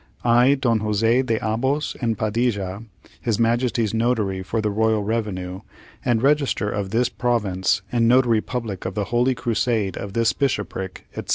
I, DON JOSE DE ABOS AND PADILLA, His Majesty's Notary for the Royal Revenue, and Register of this Province, and Notary Public of the Holy Crusade of this Bishopric, etc.